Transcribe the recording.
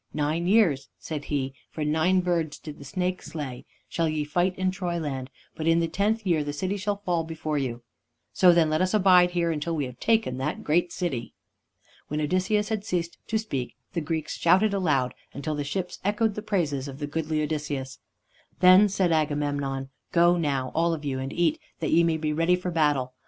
'Nine years,' said he for nine birds did the snake slay 'shall ye fight in Troyland, but in the tenth year the city shall fall before you.' So then, let us abide here, until we have taken the great city!" When Odysseus had ceased to speak, the Greeks shouted aloud, until the ships echoed the praises of the goodly Odysseus. Then said Agamemnon: "Go now, all of you, and eat, that ye may be ready for battle.